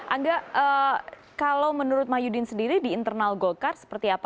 angga kalau menurut mahyudin sendiri di internal golkar seperti apa